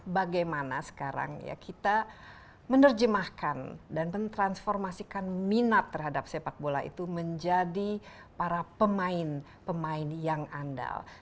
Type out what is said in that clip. bagaimana sekarang ya kita menerjemahkan dan mentransformasikan minat terhadap sepak bola itu menjadi para pemain pemain yang andal